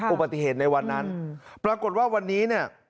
อุบัติเหตุในวันนั้นปรากฏว่าวันนี้เนี่ย